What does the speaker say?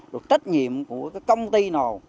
rồi trách nhiệm của công ty nào